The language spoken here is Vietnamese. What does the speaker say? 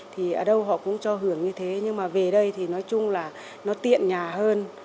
thì ở đâu họ cũng cho hưởng như thế nhưng mà về đây thì nói chung là nó tiện nhà hơn